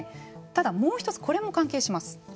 ただもう一つこれも関係します。